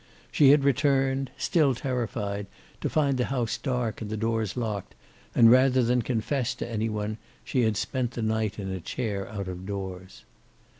She had returned, still terrified, to find the house dark and the doors locked, and rather than confess to any one, she had spent the night in a chair out of doors.